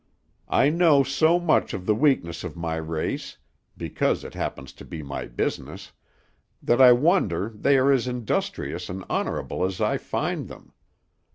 I know so much of the weakness of my race because it happens to be my business that I wonder they are as industrious and honorable as I find them.